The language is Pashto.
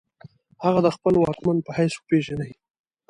هغه د خپل واکمن په حیث وپیژني.